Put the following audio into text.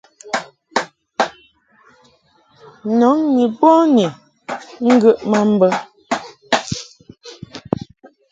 Nɔŋ ni bɔni ŋgəʼ ma mbə.